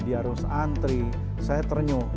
diharus antri saya ternyok